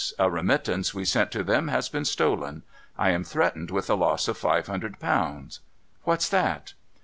A remittance we sent to them has been stolen. I am threatened with a loss of five hundred pounds. What's that